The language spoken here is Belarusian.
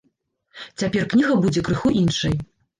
Цяпер кніга будзе крыху іншай.